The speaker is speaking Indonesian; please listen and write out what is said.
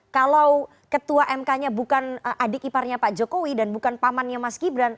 kalau ketua mk nya bukan adik iparnya pak jokowi dan bukan pamannya mas gibran